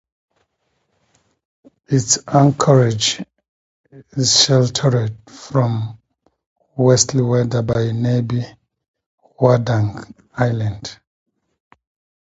Its anchorage is sheltered from westerly weather by nearby Wardang Island.